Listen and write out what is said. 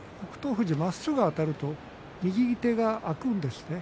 富士、まっすぐあたると右手が空くんですね。